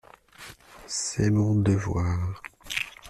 C’est mon devoir…